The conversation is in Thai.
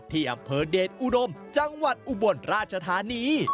ที่อำเภอเดชอุดมจังหวัดอุบลราชธานี